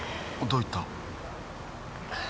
どういった？